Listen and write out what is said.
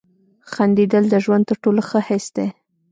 • خندېدل د ژوند تر ټولو ښه حس دی.